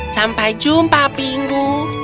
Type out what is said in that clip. sampai jumpa pingu